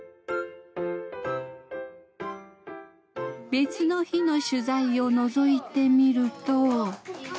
別の日の取材をのぞいてみると。